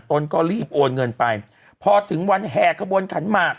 ก็รีบโอนเงินไปพอถึงวันแห่ขบวนขันหมาก